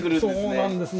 そうなんです。